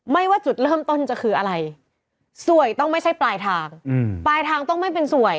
ว่าจุดเริ่มต้นจะคืออะไรสวยต้องไม่ใช่ปลายทางปลายทางต้องไม่เป็นสวย